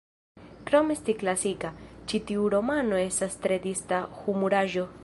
Krom esti klasika, ĉi tiu romano estas tre distra humuraĵo.